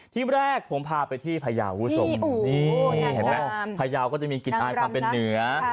ที่แรกผมพาไปที่พญาวุศงพญาวก็จะมีกิจอ่านความเป็นเหนือ